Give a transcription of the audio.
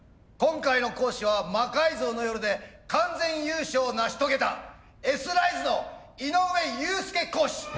今回の講師は「魔改造の夜」で完全優勝を成し遂げたＳライズの井上雄介講師。